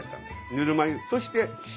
ぬるま湯そして塩。